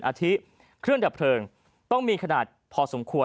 อาทิเครื่องดับเพลิงต้องมีขนาดพอสมควร